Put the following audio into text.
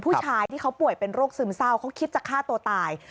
ผู้ชายที่เขาป่วยเป็นโรคซึมเศร้าเขาคิดจะฆ่าตัวตาย